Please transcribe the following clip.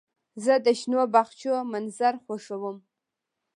زه د شنو باغچو منظر خوښوم.